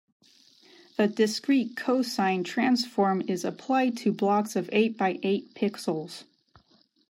The discrete cosine transform is applied to blocks of eight by eight pixels.